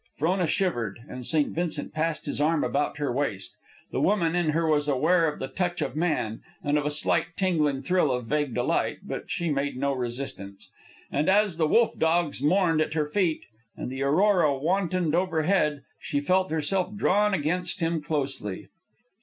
Frona shivered, and St. Vincent passed his arm about her waist. The woman in her was aware of the touch of man, and of a slight tingling thrill of vague delight; but she made no resistance. And as the wolf dogs mourned at her feet and the aurora wantoned overhead, she felt herself drawn against him closely.